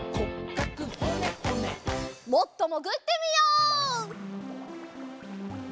もっともぐってみよう。